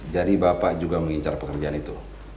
jadi bapak juga mengincar pekerjaan itu